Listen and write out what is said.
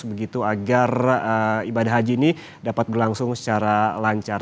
begitu agar ibadah haji ini dapat berlangsung secara lancar